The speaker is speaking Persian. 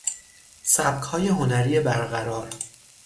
سبکهای هنری برقرار